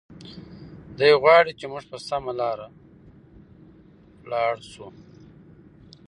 دی غواړي چې موږ په سمه لاره لاړ شو.